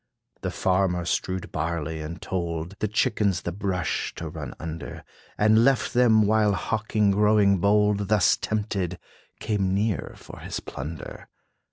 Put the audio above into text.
The Farmer strewed barley, and toled The chickens the brush to run under, And left them, while Hawk growing bold, Thus tempted, came near for his plunder.